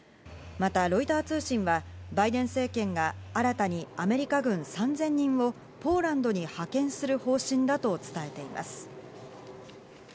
またロイター通信は、バイデン政権が新たにアメリカ軍３０００人をポーランドに派遣する方針だと伝えています。